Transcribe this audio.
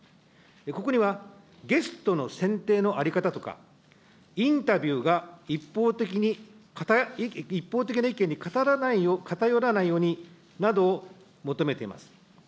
ここには、ゲストの選定の在り方とか、インタビューが一方的な意見に偏らないようになどを求めています。